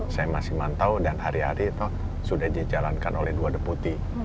saya masih mantau dan hari hari sudah dijalankan oleh dua deputi